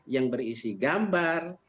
yang berisi gambar